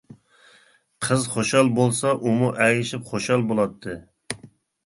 قىز خۇشال بولسا ئۇمۇ ئەگىشىپ خۇشال بولاتتى.